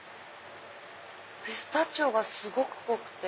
ピスタチオがすごく濃くて。